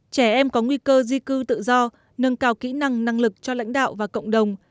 trẻ em có nguy cơ di cư tự do nâng cao kỹ năng năng lực cho lãnh đạo và cộng đồng